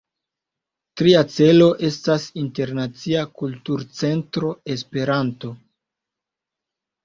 Tria celo estas Internacia Kulturcentro Esperanto.